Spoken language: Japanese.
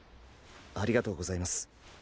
ありがとうございます。